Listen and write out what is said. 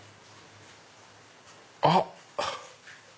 あっ！